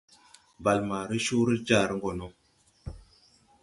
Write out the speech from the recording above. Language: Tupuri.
Bàl maa re coore jar gɔ no.